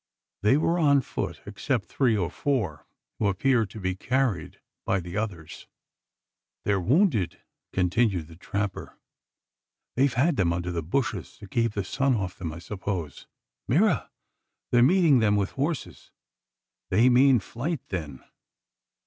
They were on foot except three or four, who appeared to be carried by the others. "Their wounded!" continued the trapper. "They've had them under the bushes to keep the sun off them, I suppose. Mira! they are meeting them with horses! They mean flight then."